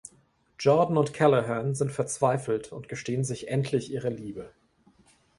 Jordan und Callahan sind verzweifelt und gestehen sich endlich ihre Liebe.